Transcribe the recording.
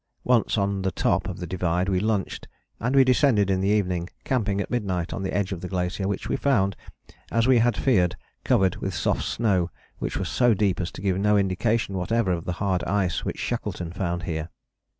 Once on the top of the divide we lunched, and we descended in the evening, camping at midnight on the edge of the glacier, which we found, as we had feared, covered with soft snow which was so deep as to give no indication whatever of the hard ice which Shackleton found here.